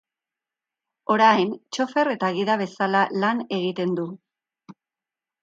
Orain, txofer eta gida bezala lan egiten du.